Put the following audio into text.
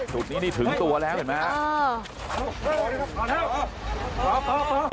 จุดนี้นี่ถึงตัวแล้วเห็นไหมครับ